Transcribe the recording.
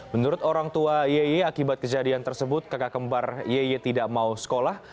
menurut orang tua yeye akibat kejadian tersebut kakak kembar yeye tidak mau sekolah